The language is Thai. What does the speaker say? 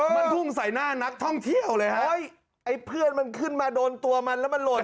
มันพุ่งใส่หน้านักท่องเที่ยวเลยฮะเฮ้ยไอ้เพื่อนมันขึ้นมาโดนตัวมันแล้วมันหล่น